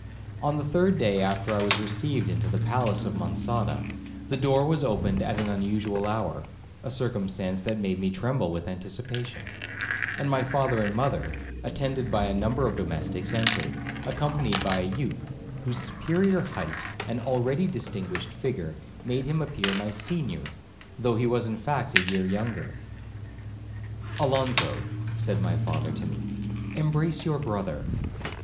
On the third day after I was received into the palace of Monçada, the door was opened at an unusual hour, (a circumstance that made me tremble with anticipation), and my father and mother, attended by a number of domestics, entered, accompanied by a youth whose superior height and already distinguished figure, made him appear my senior, though he was in fact a year younger. 'Alonzo,' said my father to me, 'embrace your brother.'